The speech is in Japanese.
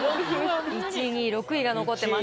１位２位６位が残ってます。